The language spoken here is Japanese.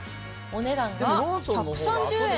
お値段が１３０円。